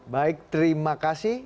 baik terima kasih